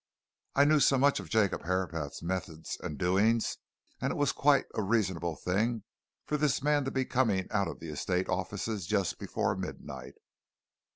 I knew so much of Jacob Herapath's methods and doings that it was quite a reasonable thing for this man to be coming out of the estate offices just before midnight."